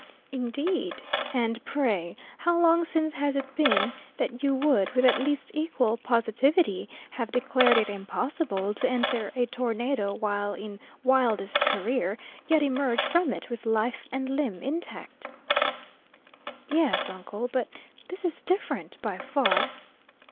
"Indeed? And, pray, how long since has it been that you would, with at least equal positivity, have declared it impossible to enter a tornado while in wildest career, yet emerge from it with life and limb intact?" "Yes, uncle, but this is different, by far."